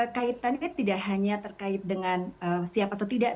kaitan tidak hanya terkait dengan siap atau tidak